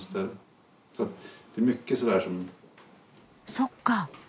そっか。